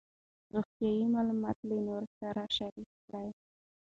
روغتیایي معلومات له نورو سره شریک کړئ.